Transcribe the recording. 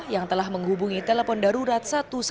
yang telah menghubungi telepon darurat satu ratus dua belas